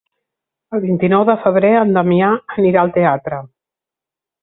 El vint-i-nou de febrer en Damià anirà al teatre.